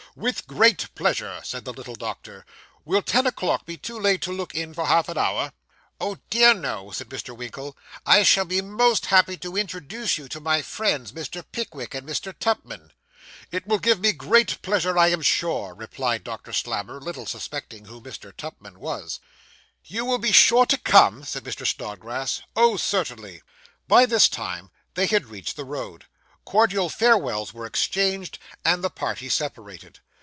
'With great pleasure,' said the little doctor; 'will ten o'clock be too late to look in for half an hour?' 'Oh dear, no,' said Mr. Winkle. 'I shall be most happy to introduce you to my friends, Mr. Pickwick and Mr. Tupman.' 'It will give me great pleasure, I am sure,' replied Doctor Slammer, little suspecting who Mr. Tupman was. 'You will be sure to come?' said Mr. Snodgrass. 'Oh, certainly.' By this time they had reached the road. Cordial farewells were exchanged, and the party separated.